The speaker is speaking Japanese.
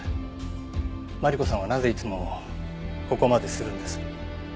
マリコさんはなぜいつもここまでするんです？